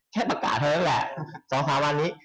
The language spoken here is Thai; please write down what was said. แค่ประกาศเท่านั้นแหละ๒๓วันนี้